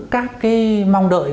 các cái mong đợi